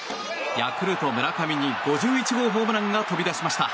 ヤクルト、村上に５１号ホームランが飛び出しました。